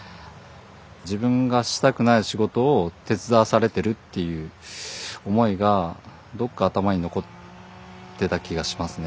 自分がしたくない仕事を手伝わされてるっていう思いがどっか頭に残ってた気がしますね